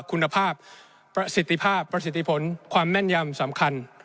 คุณภาพประสิทธิภาพประสิทธิผลความแม่นยำสำคัญ